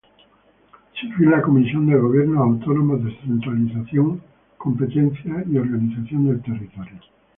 Sirvió en la Comisión de Gobiernos Autónomos, Descentralización, Competencias y Organización del Territorio.